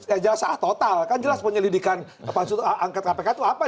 ya jelas total kan jelas penyelidikan angket kpk itu apa